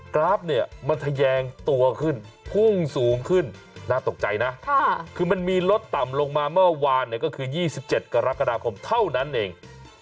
กราฟเนี่ยมันทะแยงตัวขึ้นพุ่งสูงขึ้นน่าตกใจนะคือมันมีลดต่ำลงมาเมื่อวานก็คือ๒๗กรกฎาคมเท่านั้นเอง